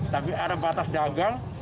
tapi ada batas dagang